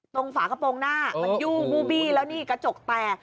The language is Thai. ฝากระโปรงหน้ามันยู่บูบี้แล้วนี่กระจกแตก